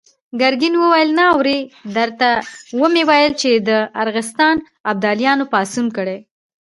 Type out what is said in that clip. ګرګين وويل: نه اورې! درته ومې ويل چې د ارغستان ابداليانو پاڅون کړی.